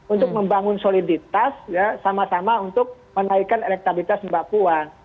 untuk membangun soliditas sama sama untuk menaikkan elektabilitas mbak puan